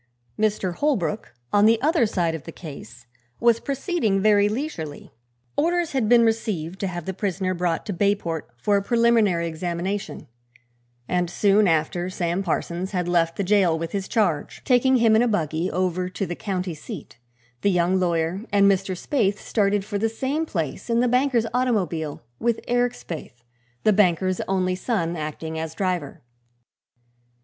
Mr. Holbrook, on the other side of the case, was proceeding very leisurely. Orders had been received to have the prisoner brought to Bayport for a preliminary examination, and soon after Sam Parsons had left the jail with his charge, taking him in a buggy over to the county seat, the young lawyer and Mr. Spaythe started for the same place in the banker's automobile with Eric Spaythe, the banker's only son, acting as driver.